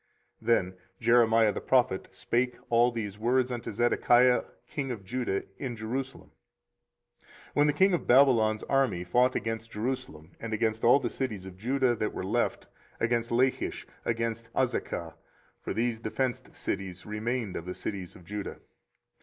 24:034:006 Then Jeremiah the prophet spake all these words unto Zedekiah king of Judah in Jerusalem, 24:034:007 When the king of Babylon's army fought against Jerusalem, and against all the cities of Judah that were left, against Lachish, and against Azekah: for these defenced cities remained of the cities of Judah.